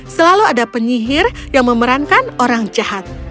selalu ada penyihir yang memerankan orang jahat